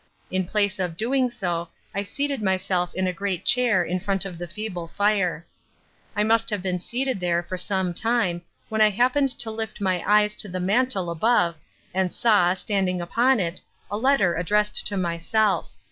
In place of doing so I seated myself in a great chair in front of the feeble fire. I must have been seated there for some time when I happened to lift my eyes to the mantel above and saw, standing upon it, a letter addressed to myself.